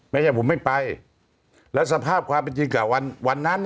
ไม่ใช่ผมไม่ไปแล้วสภาพความเป็นจริงกับวันนั้น